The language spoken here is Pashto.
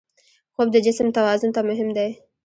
خوب د جسم توازن ته مهم دی